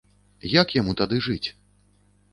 Як яму тады жыць?